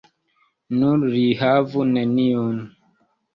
Nur li havu neniun.